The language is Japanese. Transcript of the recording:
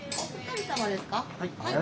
はい。